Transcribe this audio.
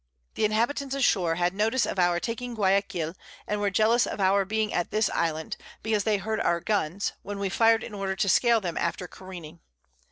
The Inhabitants ashore had notice of our taking Guiaquil, and were jealous of our being at this Island, because they heard our Guns, when we fired in order to scale them after careening.